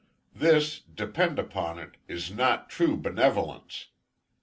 This, depend upon it, is not true benevolence.